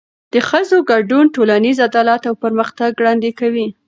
د ښځو ګډون ټولنیز عدالت او پرمختګ ګړندی کوي.